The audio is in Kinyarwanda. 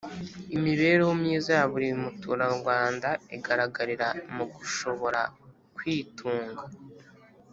Imibereho myiza ya buri muturarwanda igaragarira mu gushobora kwitunga